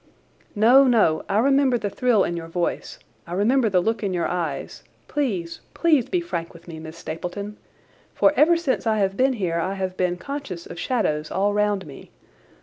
"No, no. I remember the thrill in your voice. I remember the look in your eyes. Please, please, be frank with me, Miss Stapleton, for ever since I have been here I have been conscious of shadows all round me.